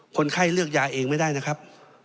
คนไข้เลือกยาเองไม่ได้นะครับ